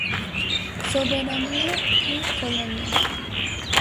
Soberanía y coloniaje.